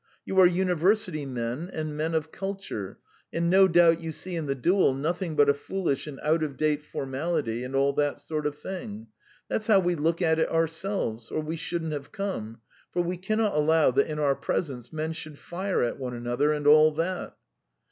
You are university men and men of culture, and no doubt you see in the duel nothing but a foolish and out of date formality, and all that sort of thing. That's how we look at it ourselves, or we shouldn't have come, for we cannot allow that in our presence men should fire at one another, and all that."